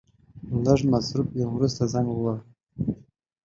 لږ مصرف يم ورسته زنګ وواهه.